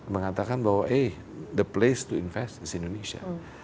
mengatakan bahwa eh the place to invest is indonesia